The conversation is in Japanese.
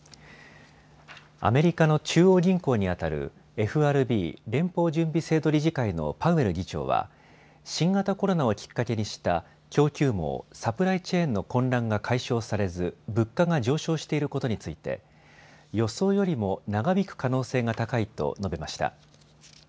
アメリカの中央銀行にあたるＦＲＢ・連邦準備制度理事会のパウエル議長は新型コロナをきっかけにした供給網・サプライチェーンの混乱が解消されず物価が上昇していることについて予想よりも長引く可能性が高いと述べました。